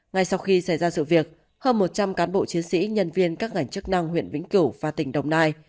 ngay sau khi xảy ra sự việc hơn một trăm linh cán bộ chiến sĩ nhân viên các ngành chức năng huyện vĩnh cửu và tỉnh đồng nai